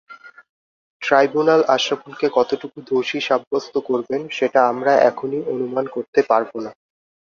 Tribunal আশরাফুলকে কতটুকু দোষী সাব্যস্ত করবেন, সেটা আমরা এখনই অনুমান করতে পারব না।